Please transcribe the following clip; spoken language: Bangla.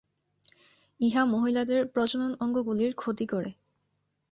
ইহা মহিলাদের প্রজনন অঙ্গগুলির ক্ষতি করে।